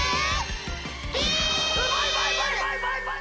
バイバイバイバイバイバイバイ。